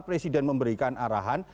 presiden memberikan arahan